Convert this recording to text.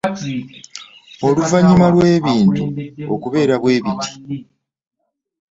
Oluvannyuma lw'ebintu okubeera bwe biti